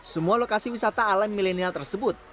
semua lokasi wisata alam milenial tersebut